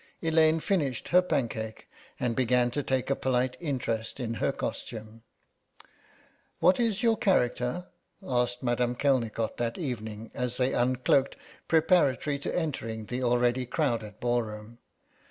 Elaine finished her pancake and began to take a polite interest in her costume. "What is your character?" asked Madame Kelnicort that evening, as they uncloaked, preparatory to entering the already crowded ball room.